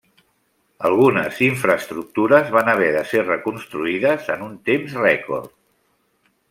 Algunes infraestructures van haver de ser reconstruïdes en un temps rècord.